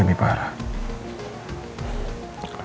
aku bisa jadi parah